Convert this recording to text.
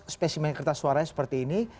spesimen kertas suaranya seperti ini